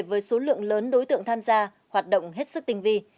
với số lượng lớn đối tượng tham gia hoạt động hết sức tinh vi